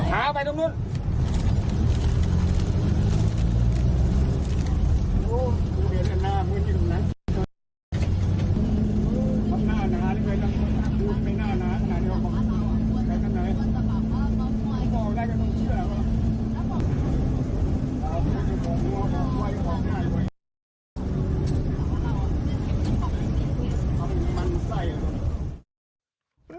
เอาไปตรงนู้น